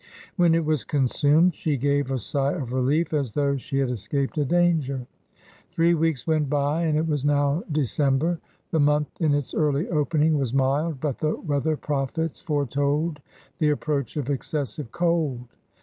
When it was consumed she gave a sigh of relief as though she had escaped a danger. Three weeks went by and it was now December ; the month in its early opening was mild, but the weather prophets foretold the approach of excessive cold.